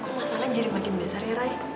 kok masalahnya jadi makin besar ya ray